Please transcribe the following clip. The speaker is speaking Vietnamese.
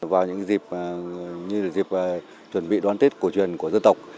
vào những dịp như là dịp chuẩn bị đoán tết của truyền của dư tộc